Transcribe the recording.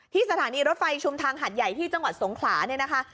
สถานีรถไฟชุมทางหัดใหญ่ที่จังหวัดสงขลาเนี่ยนะคะ